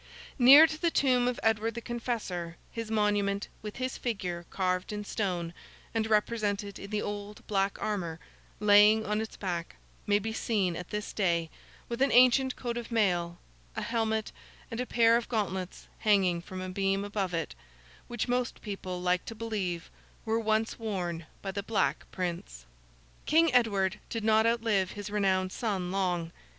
Near to the tomb of Edward the Confessor, his monument, with his figure, carved in stone, and represented in the old black armour, lying on its back, may be seen at this day, with an ancient coat of mail, a helmet, and a pair of gauntlets hanging from a beam above it, which most people like to believe were once worn by the Black Prince. King Edward did not outlive his renowned son, long.